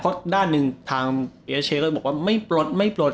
เพราะด้านสินค้าก็พูดว่าไม่ปลด